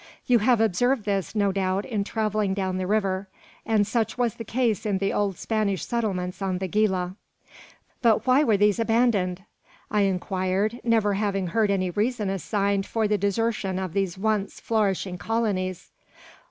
You have observed this, no doubt, in travelling down the river; and such was the case in the old Spanish settlements on the Gila." "But why were these abandoned?" I inquired, never having heard any reason assigned for the desertion of these once flourishing colonies.